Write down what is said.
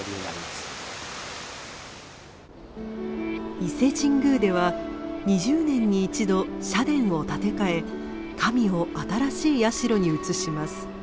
伊勢神宮では２０年に一度社殿を建て替え神を新しい社に移します。